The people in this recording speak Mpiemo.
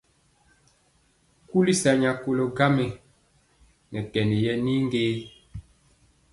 Kuli sa nya kolɔ gaŋ mɛ nɛ kɛn yɛ nii ge?